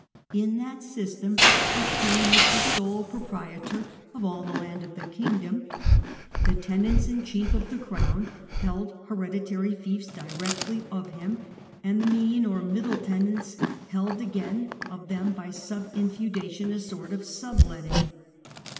In that system the king was the sole proprietor of all the land of the kingdom : the tenants in chief of the crown held hereditary fiefs directly of him, and the " mesne " or middle tenants held again of them by " subinfeudation," a sort of " sub letting."